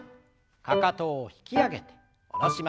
かかとを引き上げて下ろします。